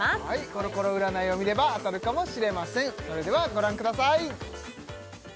コロコロ占いを見れば当たるかもしれませんそれではご覧ください